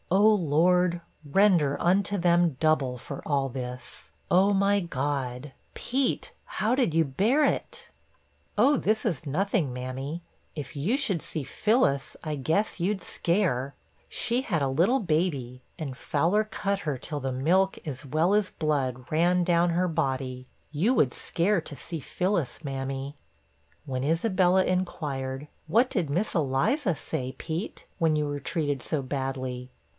Oh Lord, "render unto them double" for all this! Oh my God! Pete, how did you bear it?' 'Oh, this is nothing, mammy if you should see Phillis, I guess you'd scare! She had a little baby, and Fowler cut her till the milk as well as blood ran down her body. You would scare to see Phillis, mammy.' When Isabella inquired, 'What did Miss Eliza * say, Pete, when you were treated so badly?'